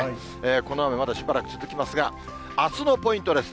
この雨、まだしばらく続きますが、あすのポイントです。